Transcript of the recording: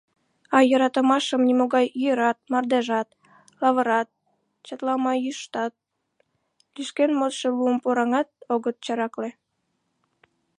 А йӧратымашым нимогай йӱрат, мардежат, лавырат, чатлама йӱштат, лӱшкен модшо лум-поранат огыт чаракле.